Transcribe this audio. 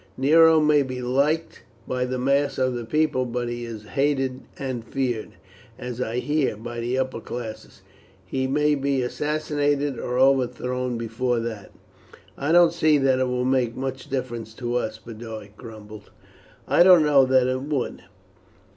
Nero may be liked by the mass of the people, but he is hated and feared, as I hear, by the upper classes. He may be assassinated or overthrown before that." "I don't see that it will make much difference to us," Boduoc grumbled. "I don't know that it would.